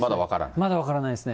まだ分からないですね。